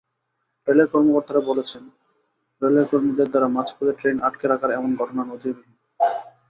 রেলের কর্মকর্তারা বলছেন, রেলের কর্মীদের দ্বারা মাঝপথে ট্রেন আটকে রাখার এমন ঘটনা নজিরবিহীন।